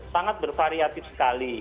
sangat bervariatif sekali